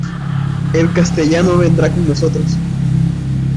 El castellano vendrá con nosotros.